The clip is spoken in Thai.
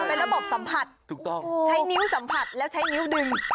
เป็นระบบสัมผัสถูกต้องใช้นิ้วสัมผัสแล้วใช้นิ้วดึง